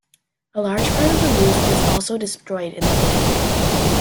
A large part of the roof was also destroyed in the blaze.